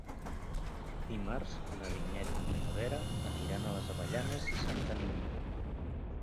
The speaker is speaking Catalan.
Dimarts na Vinyet i na Vera aniran a les Avellanes i Santa Linya.